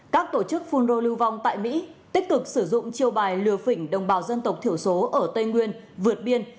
các tổ chức phun rô lưu vong tại mỹ tích cực sử dụng chiêu bài lừa phỉnh đồng bào dân tộc thiểu số ở tây nguyên vượt biên